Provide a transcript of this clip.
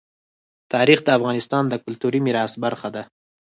تاریخ د افغانستان د کلتوري میراث برخه ده.